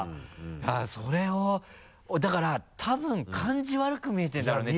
いやぁそれをだから多分感じ悪く見えてるんだろうね。